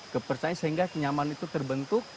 kepercayaan sehingga kenyaman itu terbentuk